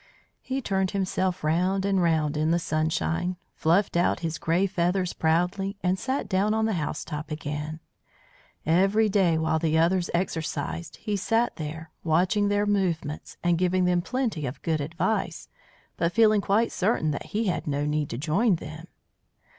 He turned himself round and round in the sunshine, fluffed out his grey feathers proudly, and sat down on the housetop again. Every day while the others exercised he sat there, watching their movements and giving them plenty of good advice, but feeling quite certain that he had no need to join them.